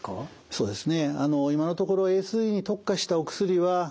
そうですね。